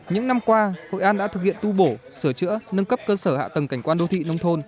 những năm qua hội an đã thực hiện tu bổ sửa chữa nâng cấp cơ sở hạ tầng cảnh quan đô thị nông thôn